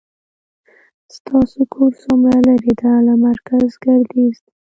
ستاسو کور څومره لری ده له مرکز ګردیز نه